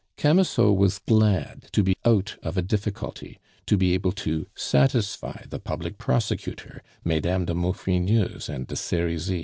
Camusot was glad to be out of a difficulty, to be able to satisfy the public prosecutor, Mesdames de Maufrigneuse and de Serizy.